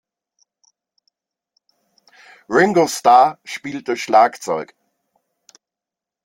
Ringo Starr spielte Schlagzeug.